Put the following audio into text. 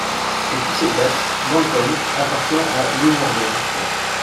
Depuis cette date, Mantgum appartient à Leeuwarden.